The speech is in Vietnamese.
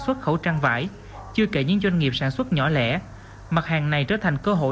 xuất khẩu trang vải chưa kể những doanh nghiệp sản xuất nhỏ lẻ mặt hàng này trở thành cơ hội